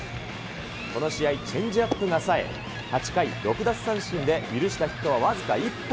この試合、チェンジアップがさえ、８回６奪三振で許したヒットは僅か１本。